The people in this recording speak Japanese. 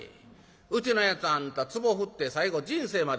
うちのやつあんたつぼ振って最後人生まで振りよったんだ」。